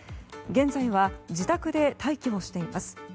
現在は自宅で待機をしています。